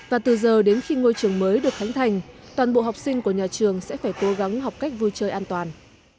và từ giờ đến khi ngôi trường mới được khánh thành toàn bộ học sinh của nhà trường sẽ phải cố gắng học cách vui chơi an toàn